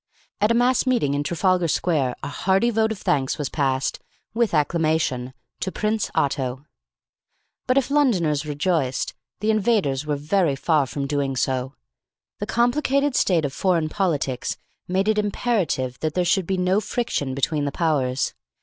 At a mass meeting in Trafalgar Square a hearty vote of thanks was passed, with acclamation, to Prince Otto. But if Londoners rejoiced, the invaders were very far from doing so. The complicated state of foreign politics made it imperative that there should be no friction between the Powers.